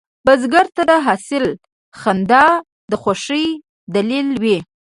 بزګر ته د حاصل خندا د خوښې دلیل وي